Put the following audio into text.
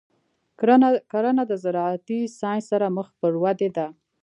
کرنه د زراعتي ساینس سره مخ پر ودې ده.